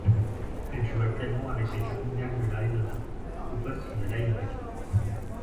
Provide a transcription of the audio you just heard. Il joue actuellement avec les Cardinals de l'Arizona au poste de linebacker.